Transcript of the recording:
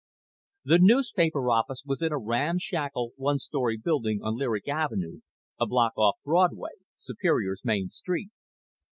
The newspaper office was in a ramshackle one story building on Lyric Avenue, a block off Broadway, Superior's main street.